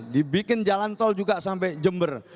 dibikin jalan tol juga sampai jember